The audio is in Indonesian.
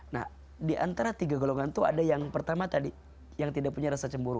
nah diantara tiga golongan itu ada yang pertama tadi yang tidak punya rasa cemburu